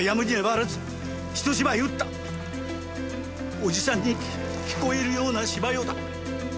伯父さんに聞こえるような芝居をだ。